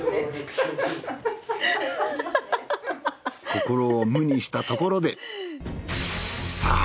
心を無にしたところでさあ